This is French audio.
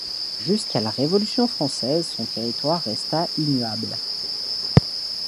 Jusqu'à la Révolution française, son territoire resta immuable.